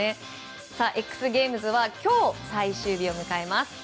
ＸＧＡＭＥＳは今日、最終日を迎えます。